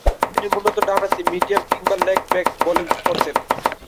দলে তিনি মূলতঃ ডানহাতি মিডিয়াম কিংবা লেগ ব্রেক বোলিং করতেন।